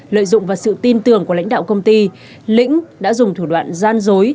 lợi dụng vào sự tin tưởng của lãnh đạo công ty lĩnh đã dùng thủ đoạn gian dối